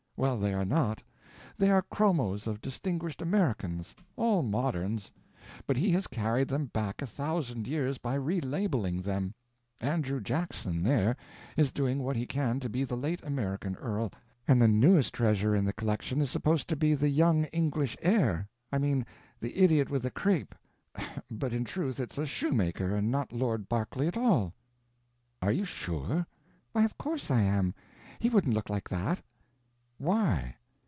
Well, they are not. They are chromos of distinguished Americans—all moderns; but he has carried them back a thousand years by re labeling them. Andrew Jackson there, is doing what he can to be the late American earl; and the newest treasure in the collection is supposed to be the young English heir—I mean the idiot with the crape; but in truth it's a shoemaker, and not Lord Berkeley at all." "Are you sure?" "Why of course I am. He wouldn't look like that." "Why?"